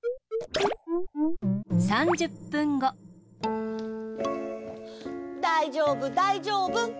３０ぷんごだいじょうぶだいじょうぶ。